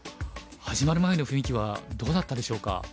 始まる前の雰囲気はどうだったでしょうか？